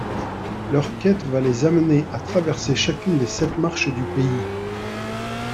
Leur quête va les amener à traverser chacune des sept marches du pays.